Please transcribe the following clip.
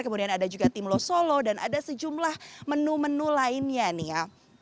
kemudian ada juga timlo solo dan ada sejumlah menu menu lainnya nih ya